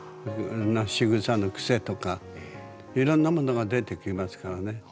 しぐさの癖とかいろんなものが出てきますからね。